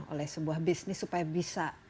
oleh sebuah bisnis supaya bisa